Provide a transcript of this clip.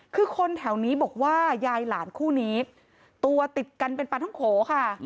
คือคนแถวนี้บอกว่ายายหลานคู่นี้ตัวติดกันเป็นปลาท้องโขค่ะ